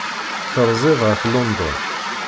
Terziḍ ɣef London.